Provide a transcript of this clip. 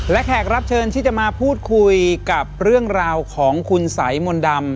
และแขกรับเชิญที่จะมาพูดคุยกับเรื่องราวของคุณสัยมนต์ดำ